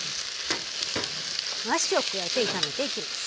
もやしを加えて炒めていきます。